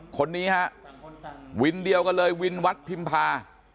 คนนี้ฮะวินเดียวกันเลยวินวัดพิมพา